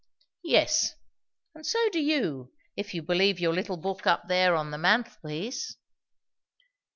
"Yes, and so do you, if you believe your little book up there on the mantelpiece."